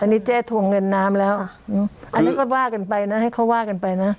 อันนี้เจ๊ทวงเงินน้ำแล้วอันนี้ก็ว่ากันไปนะให้เขาว่ากันไปนะ